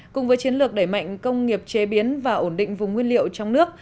cùng với chiến lược đẩy mạnh công nghiệp chế biến và ổn định vùng nguyên liệu trong nước